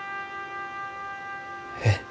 えっ？